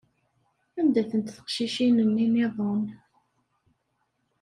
Anda-tent teqcicin-nni niḍen?